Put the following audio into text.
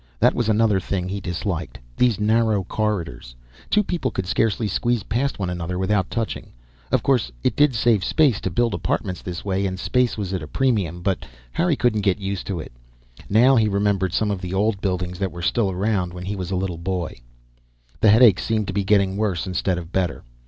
That was another thing he disliked; these narrow corridors. Two people could scarcely squeeze past one another without touching. Of course, it did save space to build apartments this way, and space was at a premium. But Harry couldn't get used to it. Now he remembered some of the old buildings that were still around when he was a little boy The headache seemed to be getting worse instead of better.